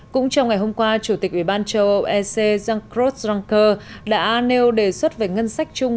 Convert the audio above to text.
cũng trong ngày hôm qua chủ tịch ủy ban châu âu ec jean crongcker đã nêu đề xuất về ngân sách chung